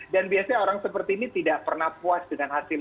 dan biasanya orang seperti ini tidak pernah puas dengan hasilnya